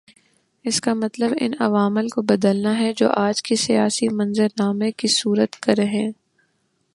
اس کا مطلب ان عوامل کو بدلنا ہے جو آج کے سیاسی منظرنامے کے صورت گر ہیں۔